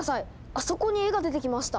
あそこに絵が出てきました！